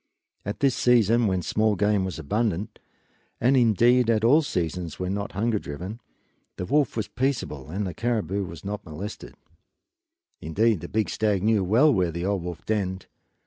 But at this season when small game was abundant and indeed at all seasons when not hunger driven the wolf was peaceable and the caribou were not molested. Indeed the big stag knew well where the old wolf denned.